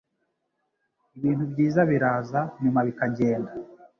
Ibintu byiza biraza. Nyuma bikagenda